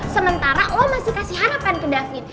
sementara lo masih kasih harapan ke dapin